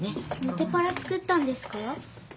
『モテパラ』作ったんですか？